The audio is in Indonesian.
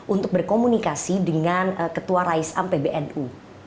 untuk berkomunikasi dengan ketua raisam pbnu